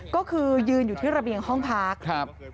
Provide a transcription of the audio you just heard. ก็คือยืนอยู่ที่ระเบียงห้องพักครับ